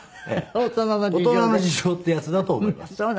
大人の事情っていうやつだと思います。